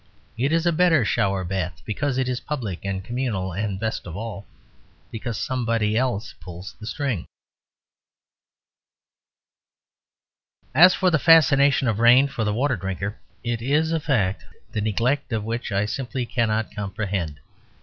It is a better shower bath, because it is public and communal; and, best of all, because somebody else pulls the string. As for the fascination of rain for the water drinker, it is a fact the neglect of which I simply cannot comprehend.